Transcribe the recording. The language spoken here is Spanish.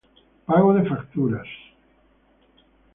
Pago de facturas